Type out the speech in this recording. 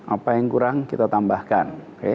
apa yang kurang kita tambahkan